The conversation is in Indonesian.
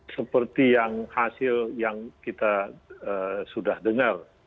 seperti yang hasil yang kita sudah dengar